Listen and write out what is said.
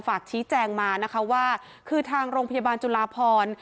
ฝากทิ้งแจ้งมาว่าคือทางรองพยาบาลจุฬาพร